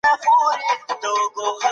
ډیپلوماټیک منځګړي باید امانت دار وي.